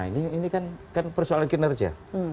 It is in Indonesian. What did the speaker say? nah ini kan persoalan kinerja